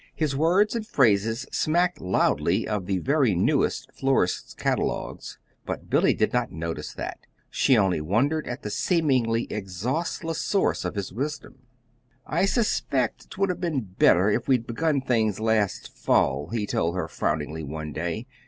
His words and phrases smacked loudly of the very newest florists' catalogues, but Billy did not notice that. She only wondered at the seemingly exhaustless source of his wisdom. "I suspect 'twould have been better if we'd begun things last fall," he told her frowningly one day.